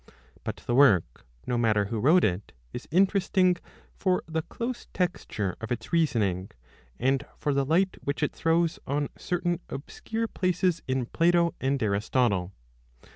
But the work no matter who wrote it is inter esting for the close texture of its reasoning, and for the light which it throws on certain obscure places in Plato and Aristotle.